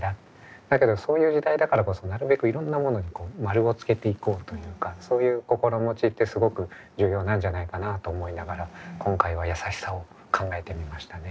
だけどそういう時代だからこそなるべくいろんなものに丸をつけていこうというかそういう心持ちってすごく重要なんじゃないかなと思いながら今回はやさしさを考えてみましたね。